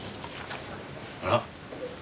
あら？